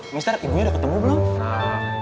mister ibunya udah ketemu belum